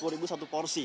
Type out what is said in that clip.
rp sepuluh satu porsi